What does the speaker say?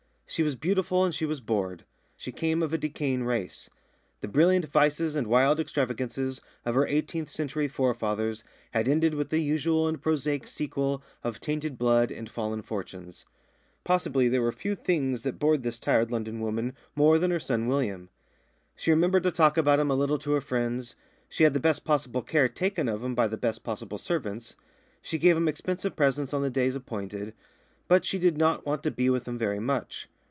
She was beautiful and she was bored. She came of a decaying race. The brilliant vices and wild extravagances of her eighteenth century forefathers had ended with the usual and prosaic sequel of tainted blood and fallen fortunes. Possibly there were few things that bored this tired London woman more than her son William. She remembered to talk about him a little to her friends; she had the best possible care taken of him by the best possible servants; she gave him expensive presents on the days appointed. But she did not want to be with him very much.